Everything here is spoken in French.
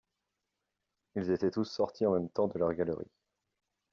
Ils étaient tous sortis en même temps de leurs galeries.